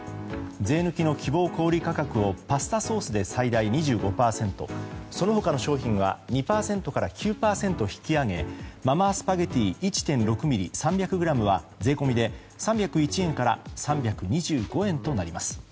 税抜きの希望小売価格をパスタソースで最大２５％その他の商品は２％から９％引き上げマ・マースパゲティ１．６ｍｍ３００ｇは税込みで、３０１円から３２５円となります。